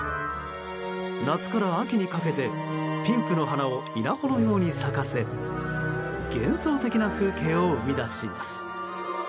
夏から秋にかけてピンクの花を稲穂のように咲かせ幻想的な風景を生み出します。